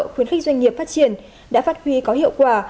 khuyến khích doanh nghiệp phát triển đã phát huy có hiệu quả